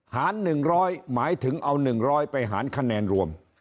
หาร๑๐๐หมายถึงเอา๑๐๐ไปหารคะแนนรวม